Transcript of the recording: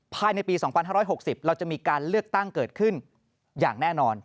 ภายในปี๒๕๖๐เราจะมีการเลือกตั้งเกิดขึ้นอย่างแน่นอน